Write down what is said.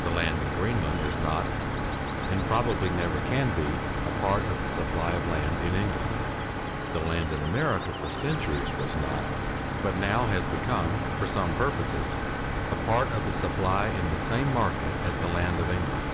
The land in Greenland is not, and probably never can be, a part of the supply of land in England. The land in America for centuries was not, but now has become, for some purposes, a part of the supply in the same market as the land of England.